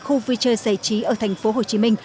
khu vui chơi giải trí ở tp hcm